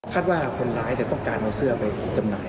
ว่าคนร้ายต้องการเอาเสื้อไปจำหน่าย